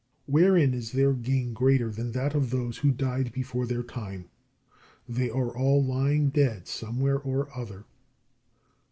Wherein is their gain greater than that of those who died before their time? They are all lying dead somewhere or other.